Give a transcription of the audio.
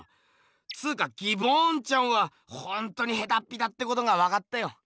つかギボーンちゃんはほんとにヘタッピだってことがわかったよ。